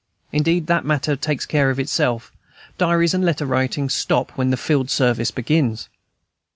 Indeed, that matter takes care of itself; diaries and letter writing stop when field service begins.